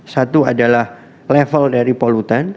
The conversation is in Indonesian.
satu adalah level dari polutan